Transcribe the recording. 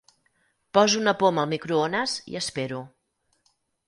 Poso una poma al microones i espero.